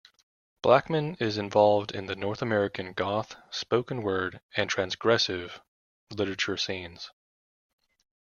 Blackman is involved in the North American goth, spoken word and transgressive literature scenes.